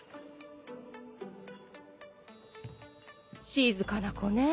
静かな子ねぇ。